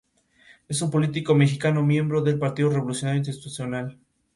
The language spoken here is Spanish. En ese tiempo en Bedford, recibió una base en botánica sistemática y estructural.